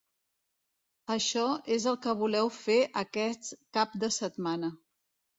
Això és el que voleu fer aquest cap de setmana.